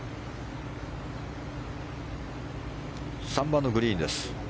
３番のグリーンです。